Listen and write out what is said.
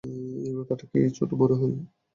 এই মাথাটা কি ছোট মনে হয়?